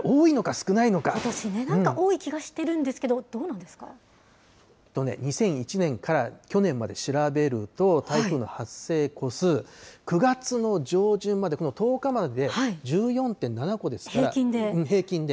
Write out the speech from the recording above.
ことしね、なんか多い気がし２００１年から去年まで調べると、台風の発生個数、９月の上旬までこの１０日までで１４．７平均で？